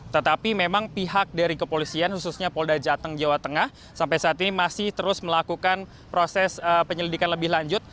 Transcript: tetapi memang pihak dari kepolisian khususnya polda jateng jawa tengah sampai saat ini masih terus melakukan proses penyelidikan lebih lanjut